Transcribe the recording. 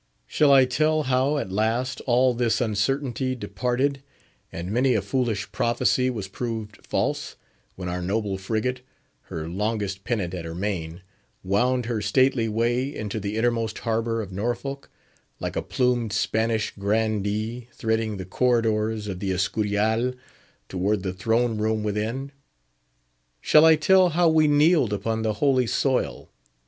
Shall I tell how, at last, all this uncertainty departed, and many a foolish prophecy was proved false, when our noble frigate—her longest pennant at her main—wound her stately way into the innermost harbour of Norfolk, like a plumed Spanish Grandee threading the corridors of the Escurial toward the throne room within? Shall I tell how we kneeled upon the holy soil?